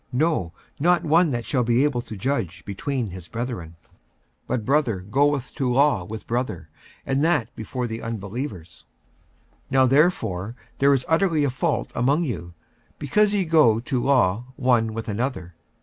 no, not one that shall be able to judge between his brethren? 46:006:006 But brother goeth to law with brother, and that before the unbelievers. 46:006:007 Now therefore there is utterly a fault among you, because ye go to law one with another.